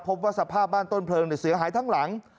พบว่าสภาพบ้านต้นเพลิงเสียหายทั้งหลัง